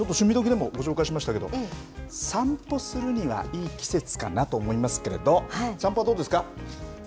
でもご紹介しましたけど、散歩するにはいい季節かなと思いますけれど、散歩はどうですか。